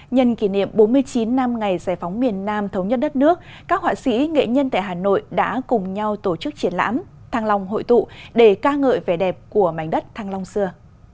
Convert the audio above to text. nhân kỷ niệm bốn mươi chín năm ngày giải phóng miền nam thống nhất đất nước các họa sĩ nghệ nhân tại hà nội đã cùng nhau tổ chức triển lãm thăng long hội tụ để ca ngợi vẻ đẹp của mảnh đất thăng long xưa